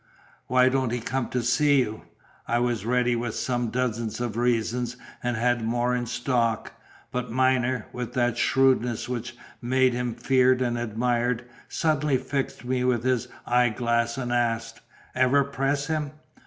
"Why don't he come to see you?" I was ready with some dozen of reasons, and had more in stock; but Myner, with that shrewdness which made him feared and admired, suddenly fixed me with his eye glass and asked, "Ever press him?"